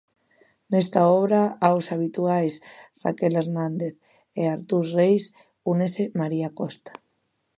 Nesta obra, aos habituais Raquel Hernández e Artús Rei únese María Costa.